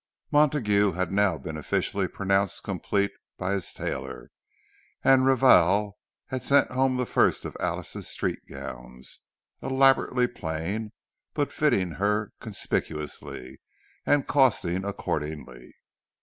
Montague had now been officially pronounced complete by his tailor; and Réval had sent home the first of Alice's street gowns, elaborately plain, but fitting her conspicuously, and costing accordingly.